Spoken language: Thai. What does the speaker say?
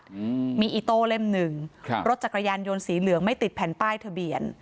อืมมีอิโต้เล่มหนึ่งครับรถจักรยานยนต์สีเหลืองไม่ติดแผ่นป้ายทะเบียน